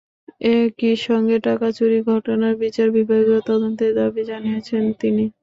একই সঙ্গে টাকা চুরির ঘটনার বিচার বিভাগীয় তদন্তের দাবি জানিয়েছেন তিনি।